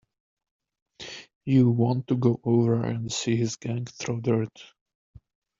You want to go over and see his gang throw dirt.